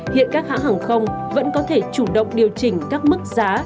hiện các hãng hàng không vẫn có thể chủ động điều chỉnh các mức giá